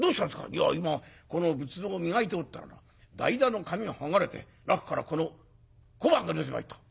「いや今この仏像を磨いておったらな台座の紙が剥がれて中からこの小判が出てまいった」。